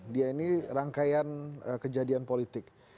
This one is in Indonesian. dia ini rangkaian kejadian politik